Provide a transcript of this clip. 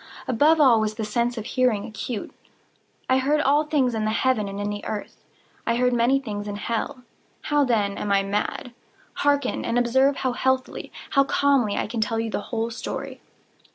Above all was the sense of hearing acute. I heard all things in the heaven and in the earth. I heard many things in hell. How, then, am I mad? Hearken! and observe how healthily—how calmly I can tell you the whole story.